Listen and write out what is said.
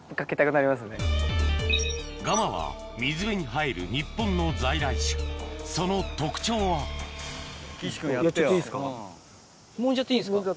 ガマは水辺に生える日本の在来種その特徴はもんじゃっていいです。